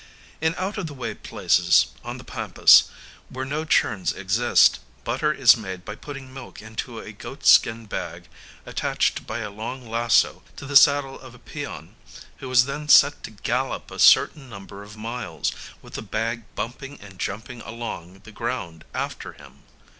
In out of the way places, on the Pampas, where no churns exist, butter is made by putting milk into a goat skin bag, attached by a long lasso to the saddle of a peon, who is then set to gallop a certain number of miles, with the bag bumping and jumping along the ground after him.